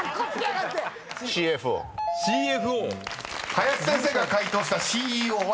「ＣＦＯ」［林先生が解答した「ＣＥＯ」は？